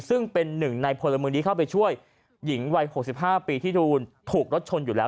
ซึ่งเป็นหนึ่งในพลเมืองดีเข้าไปช่วยหญิงวัย๖๕ปีที่โดนถูกรถชนอยู่แล้ว